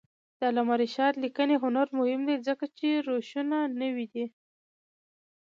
د علامه رشاد لیکنی هنر مهم دی ځکه چې روشونه نوي دي.